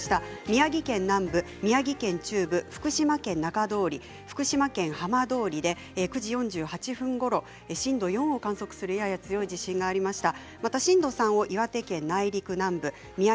宮城県南部、宮城県中部福島県中通り、福島県浜通り９時４８分ごろ震度４を観測するやや強い地震がありました。